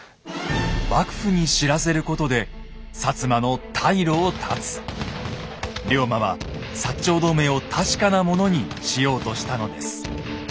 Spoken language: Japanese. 幕府に知らせることで龍馬は長同盟を確かなものにしようとしたのです。